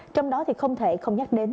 trong đó thì không thể không nhắc đến